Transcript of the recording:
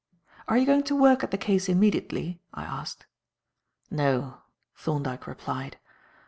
"Are you going to work at the case immediately?" I asked. "No," Thorndyke replied.